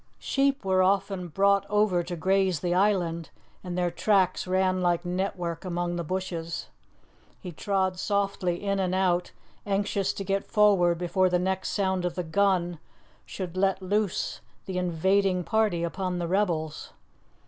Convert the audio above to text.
Sheep were often brought over to graze the island, and their tracks ran like network among the bushes. He trod softly in and out, anxious to get forward before the next sound of the gun should let loose the invading party upon the rebels.